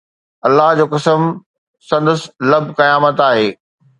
الله جو قسم، سندس لب قيامت آهن